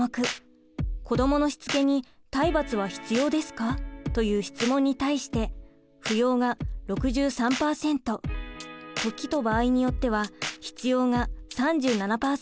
「子どものしつけに体罰は必要ですか？」という質問に対して「不要」が６３％「時と場合によっては必要」が３７％でした。